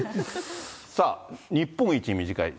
さあ、日本一短い。